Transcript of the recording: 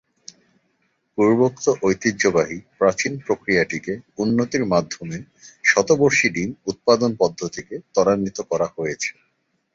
পূর্বোক্ত ঐতিহ্যবাহী প্রাচীন প্রক্রিয়াটিকে উন্নতির মাধ্যমে শতবর্ষী ডিম উৎপাদন পদ্ধতিকে ত্বরান্বিত করা হয়েছে।